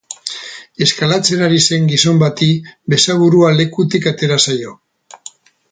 Eskalatzen ari zen gizon bati besaburua lekutik atera zaio.